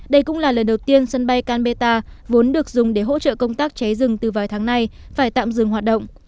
đây cũng là lần đầu tiên sân bay canberra vốn được dùng để hỗ trợ công tác cháy rừng từ vài tháng nay phải tạm dừng hoạt động